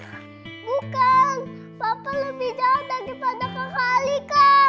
bukan papa lebih jahat daripada kak alika